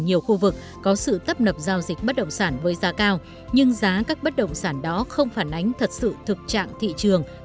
nhiều khu vực có sự tấp nập giao dịch bất động sản với giá cao nhưng giá các bất động sản đó không phản ánh thật sự thực trạng thị trường